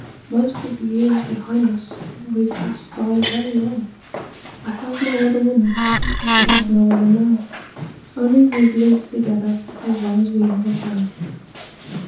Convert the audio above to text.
Most of the years behind us we've passed by very well; I have no other woman, she has no other man Only we've lived together as long as we ever can.